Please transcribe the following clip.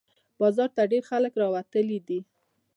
بازار ته ډېر خلق راوتي دي